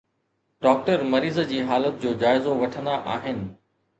doctor مريض جي حالت جو جائزو وٺندا آهن